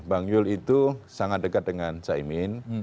bang yul itu sangat dekat dengan caimin